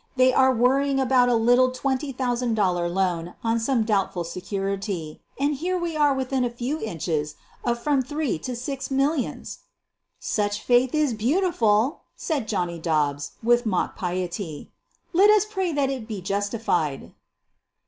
They are worry ing about a little $20,000 loan on some doubtful se curity, and here we are within a few inches of from three to six millions." "Such faith is beautiful," said Johnny Dobbs. with mock piety, "let us pray that it be justified."